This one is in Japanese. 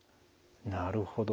なるほど。